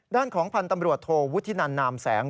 ด้านของพันธ์ตำรวจโทวุฒินันนามแสง